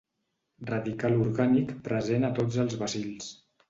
Radical orgànic present a tots els bacils.